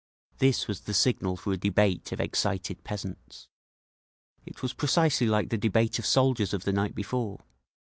This was the signal for a debate of excited peasants. It was precisely like the debate of soldiers of the night before.